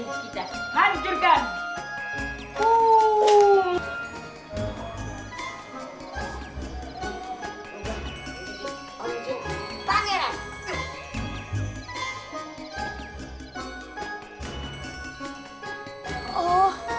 om jin pangeran